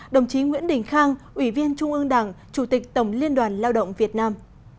đồng chí nguyễn đình khang ủy viên trung ương đảng chủ tịch tổng liên đoàn lao động việt nam